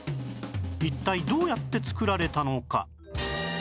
一体どうやって作られたのか？